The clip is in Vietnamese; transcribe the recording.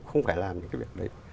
không phải làm những việc đấy